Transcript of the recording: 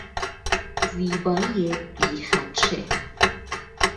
زیبایی بیخدشه